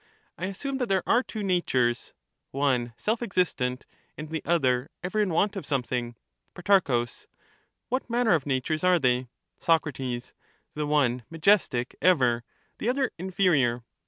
I assume that there are two natures, one self existent, and the other ever in want of something. Pro, What manner of natures are they ? Soc. The one majestic ever, the other inferior.